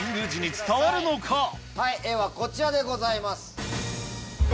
絵はこちらでございます。